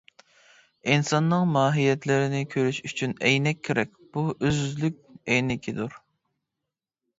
ئىنساننىڭ ماھىيەتلىرىنى كۆرۈش ئۈچۈن ئەينەك كېرەك، بۇ ئۆزلۈك ئەينىكىدۇر.